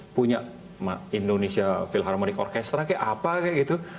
punya indonesia philharmonic orkestra kayak apa kayak gitu